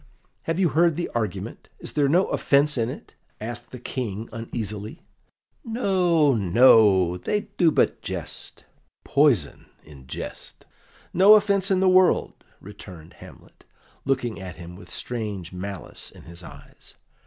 "Have you heard the argument? Is there no offence in it?" asked the King uneasily. "No, no; they do but jest poison in jest; no offence in the world," returned Hamlet, looking at him with strange malice in his eyes.